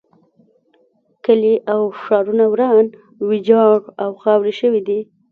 کلي او ښارونه وران ویجاړ او خاورې شوي دي.